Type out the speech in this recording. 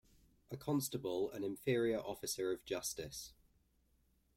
A constable an inferior officer of justice.